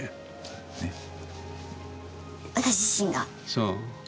そう。